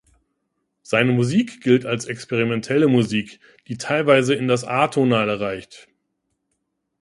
Seine Musik gilt als experimentelle Musik, die teilweise in das Atonale reicht.